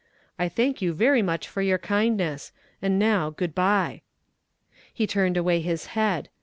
'I thank you very much for your kindness, and now, good bye.' He turned away his head.